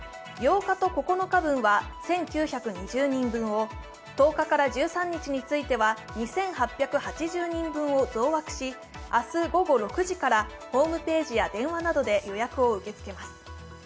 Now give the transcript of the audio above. ８日と９日分は１９２０人分を、１０日から１３日については２８８０人分を増枠し、明日午後６時からホームページや電話などで予約を受け付けます。